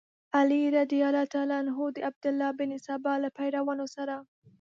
علي رض د عبدالله بن سبا له پیروانو سره.